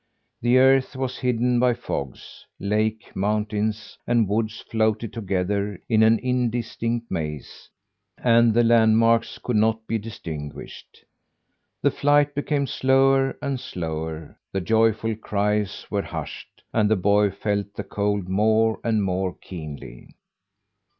The earth was hidden by fogs; lakes, mountains, and woods floated together in an indistinct maze, and the landmarks could not be distinguished. The flight became slower and slower; the joyful cries were hushed; and the boy felt the cold more and more keenly.